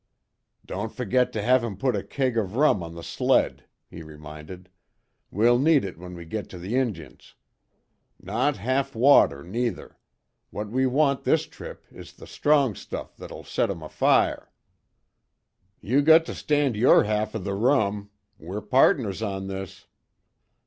"Don't forget to have 'em put a keg of rum on the sled," he reminded, "We'll need it when we get to the Injuns. Not half water, neither. What we want this trip is the strong stuff that'll set 'em afire." "You got to stand your half o' the rum. We're pardners on this."